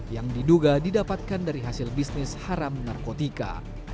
yang diduga didapatkan dari hasil bisnis haram narkotika